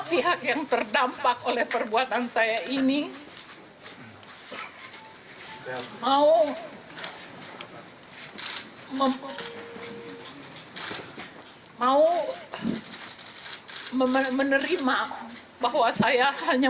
pihak yang terdampak oleh perbuatan saya ini mau menerima bahwa saya hanya